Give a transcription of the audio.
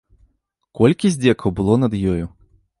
Колькі здзекаў было над ёю!